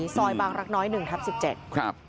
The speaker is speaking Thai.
ซอยบางรักน้อย๑ทับ๑๗ครับ